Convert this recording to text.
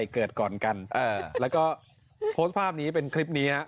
กลาย